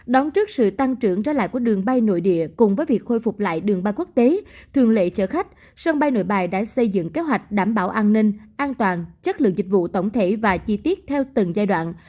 đón trước sự tăng trưởng trở lại của đường bay nội địa cùng với việc khôi phục lại đường bay quốc tế thường lệ chở khách sân bay nội bài đã xây dựng kế hoạch đảm bảo an ninh an toàn chất lượng dịch vụ tổng thể và chi tiết theo từng giai đoạn